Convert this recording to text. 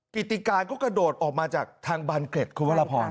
กิติการก็กระโดดออกมาจากทางบานเกร็ดคุณวรพร